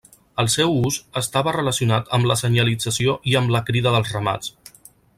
El seu ús estava relacionat amb la senyalització i amb la crida dels ramats.